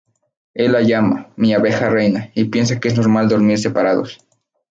Él la llama "mi abeja reina" y piensa que es normal dormir separados.